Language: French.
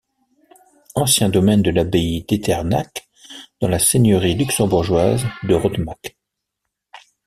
Ancien domaine de l'abbaye d'Echternach, dans la seigneurie luxembourgeoise de Rodemack.